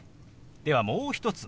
ではもう一つ。